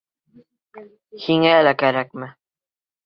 — Һиңә лә кәрәкме?